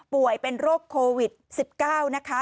ป่วยเป็นโรคโควิด๑๙นะคะ